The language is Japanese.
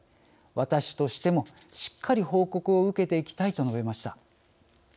私としてもしっかり報告を受けていきたい」と述べました。